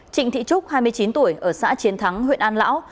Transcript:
trịnh thị trúc hai mươi chín tuổi ở xã chiến thắng huyện an lão